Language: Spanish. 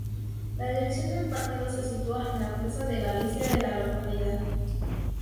La dirección del partido se sitúa en la Plaza de Galicia de la localidad.